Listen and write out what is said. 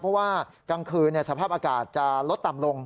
เพราะว่ากลางคืนสภาพอากาศจะลดต่ำลง